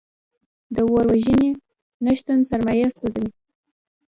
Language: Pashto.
د اور وژنې نشتون سرمایه سوځوي.